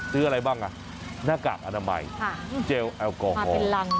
อะไรบ้างหน้ากากอนามัยเจลแอลกอฮอล